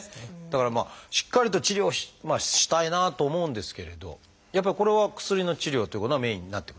だからしっかりと治療をしたいなと思うんですけれどやっぱりこれは薬の治療ということがメインになってくるってことですか？